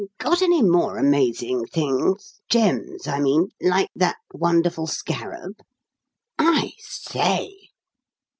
Got any more amazing things gems, I mean like that wonderful scarab? I say!"